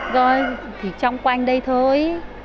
rồi thì trong quanh đây thôi